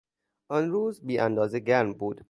آن روز بیاندازه گرم بود.